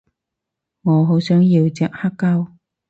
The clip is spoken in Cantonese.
我好想要隻黑膠